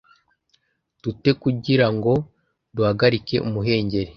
dute kugira ngo duhagarike umuhengeri